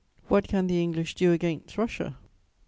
"What can the English do against Russia?